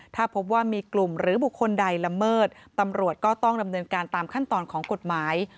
ถ้าพบว่ามีกลุ่มหรือบุคคลใดละเมิดตำรวจก็ต้องดำเนินการตามขั้นตอนของกฎหมาย